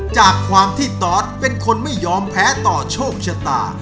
จากความที่ตอสเป็นคนไม่ยอมแพ้ต่อโชคชะตา